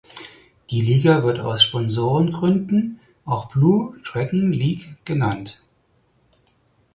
Die Liga wird aus Sponsorengründen auch Blue Dragon League genannt.